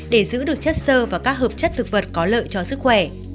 để giữ được chất sơ và các hợp chất thực vật có lợi cho sức khỏe